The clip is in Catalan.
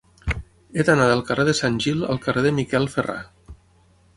He d'anar del carrer de Sant Gil al carrer de Miquel Ferrà.